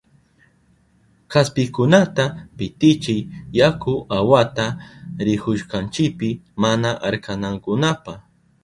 Kaspikunata pitichiy yaku awata rihushkanchipi mana arkanankunapa.